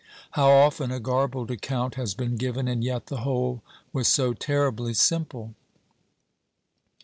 How often a garbled account has been given, and yet the whole was so terribly simple!